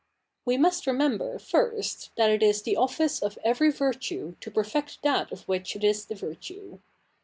' We must remember, first, that it is the office of every virtue to perfect that of 7vhich it is the virtue.